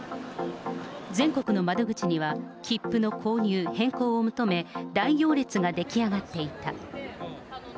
全国の窓口には切符の購入、変更を求め、大行列が出来上がっていた。